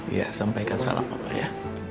iya sampaikan salam pak ya